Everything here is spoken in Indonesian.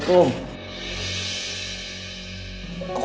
ternyata ada warga lain